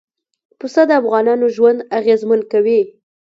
پسه د افغانانو ژوند اغېزمن کوي.